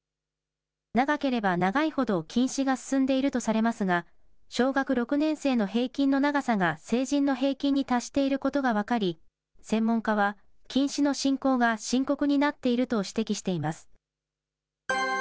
長ければ長いほど近視が進んでいるとされますが、小学６年生の平均の長さが成人の平均に達していることが分かり、専門家は、近視の進行が深刻になっていると指摘しています。